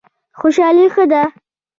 خوشحالي ښه دی.